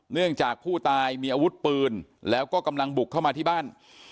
เนื่องจากผู้ตายมีอาวุธปืนแล้วก็กำลังบุกเข้ามาที่บ้าน